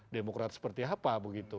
demokrat seperti apa begitu